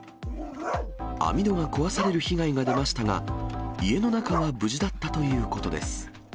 網戸が壊される被害が出ましたが、家の中は無事だったということです。